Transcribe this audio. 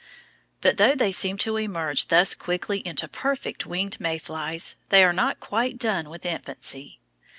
But though they seem to emerge thus quickly into perfect winged May flies, they are not quite done with infancy.